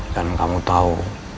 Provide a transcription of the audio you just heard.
dan kamu tahu